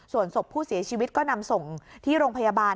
ส่วนศพผู้เสียชีวิตก็นำส่งที่โรงพยาบาล